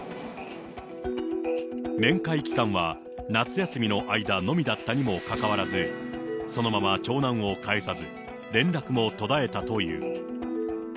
面会期間は夏休みの間のみだったにもかかわらず、そのまま長男を返さず、連絡も途絶えたという。